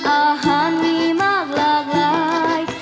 อาหารมีมากหลากหลาย